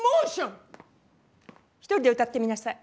一人で歌ってみなさい。